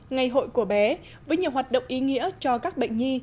ngày hội của bé với nhiều hoạt động ý nghĩa cho các bệnh nhi